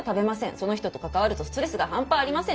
その人と関わるとストレスが半端ありません。